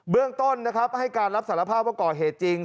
เรื่องต้นนะครับให้การรับสารภาพว่าก่อเหตุจริง